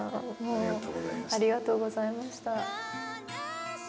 ありがとうございます。